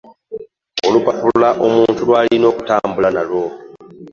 Olupapula omuntu lw'alina okutambula nalwo